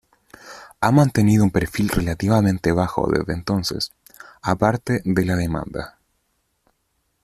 Ha mantenido un perfil relativamente bajo desde entonces, aparte de la demanda.